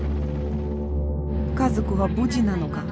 家族は無事なのか。